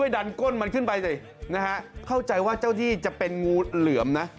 ดันก้นมันขึ้นไปสินะฮะเข้าใจว่าเจ้าที่จะเป็นงูเหลือมนะ